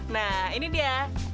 nah ini dia